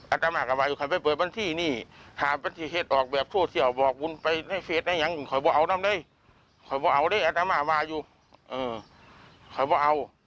อาจารย์ก็ว่าอยู่ค่ะไปเปิดบัญชีนี่หาบัญชีเหตุออกแบบโชว์เซียลบอกวุ้นไปให้เฟสได้ยังขอบอกเอานั่งได้ขอบอกเอาได้อาจารย์มาว่าอยู่เออขอบอกเอา